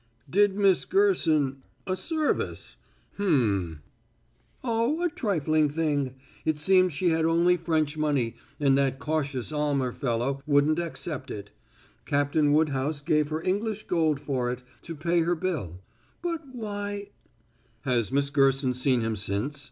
"Did Miss Gerson a service hum!" "Oh, a trifling thing! It seemed she had only French money, and that cautious Almer fellow wouldn't accept it. Captain Woodhouse gave her English gold for it to pay her bill. But why " "Has Miss Gerson seen him since?"